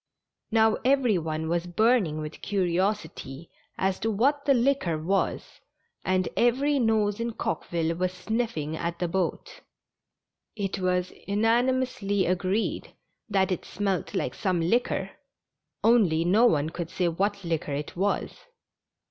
" Now, every one was burning with curiosity as to what the liquor was, and every nose in Coqueville was sniffing at the boat. It was unanimously agreed that it smelt like some liquor, only no one could say what liquor it was.